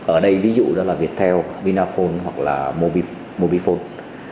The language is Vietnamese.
ở đây ví dụ đó là viettel binaphone hoặc là mobifone